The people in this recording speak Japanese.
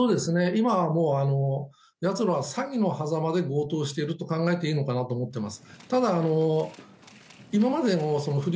今はもう、やつらは詐欺のはざまで強盗をしていると考えていいのかなと思っています。